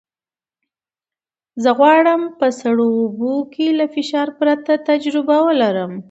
زه غواړم په سړو اوبو کې له فشار پرته تجربه ولرم.